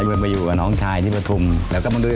ตอนนี้คุณลุงเริ่มแล้วใช่ไหมครับ